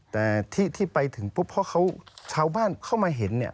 แต่ที่ไปถึงปุ๊บเพราะเขาชาวบ้านเข้ามาเห็นเนี่ย